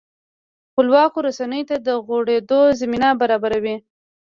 خپلواکو رسنیو ته د غوړېدو زمینه برابروي.